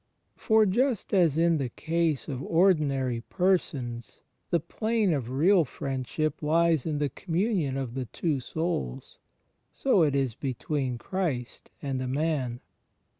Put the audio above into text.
For just as in the case of ordinary persons the plane of real friendship lies in the communion of the two souls, so it is between Christ and a man.